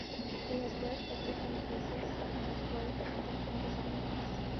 He has worked at different places and has worked on different assignments.